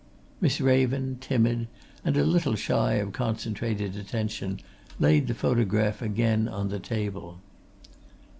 Miss Raven, timid, and a little shy of concentrated attention, laid the photograph again on the table.